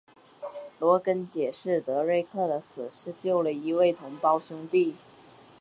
罗根解释德瑞克的死是救了一位同袍兄弟。